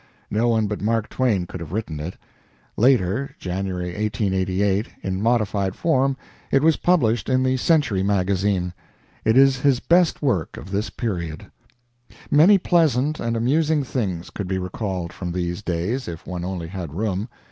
No one but Mark Twain could have written it. Later (January, 1888), in modified form, it was published in the "Century Magazine." It is his best work of this period. Many pleasant and amusing things could be recalled from these days if one only had room.